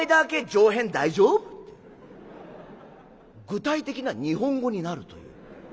具体的な日本語になるという。